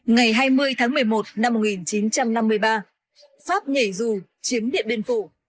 ngày hai mươi tháng một mươi một năm một nghìn chín trăm năm mươi ba pháp nhảy dù chiếm điện biên phủ